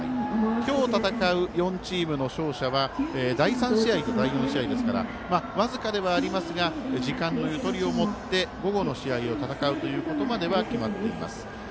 今日、戦う４チームの勝者は第３試合と第４試合ですから僅かではありますが時間のゆとりを持って午後の試合を戦うことまでは決まっています。